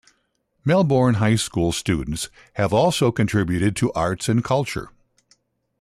Melbourne High School students have also contributed to arts and culture.